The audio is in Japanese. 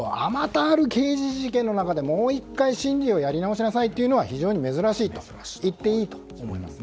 数多ある刑事事件の中でもう１回審理をやり直しなさいというのは非常に珍しいといっていいと思います。